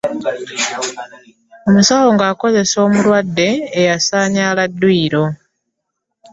Omusawo nga akozesa omulwadde eyasanyala dduyiro.